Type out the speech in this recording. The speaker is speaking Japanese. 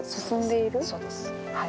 そうですはい。